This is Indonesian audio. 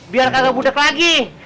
biar kagak budek lagi